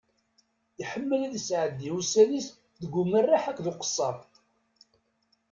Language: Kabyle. Iḥemmel ad isɛeddi ussan-is deg umerreḥ akked uqesser.